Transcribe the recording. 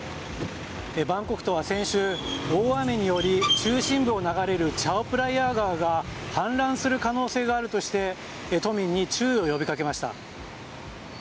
バンコク都は先週大雨により中心部を流れるチャオプラヤ川が氾濫する可能性があるとして都民に注意を呼びかけました。